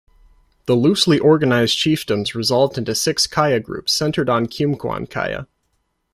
The loosely organized chiefdoms resolved into six Gaya groups, centered on Geumgwan Gaya.